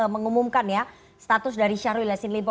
mengumumkan ya status dari syahrul yassin limpo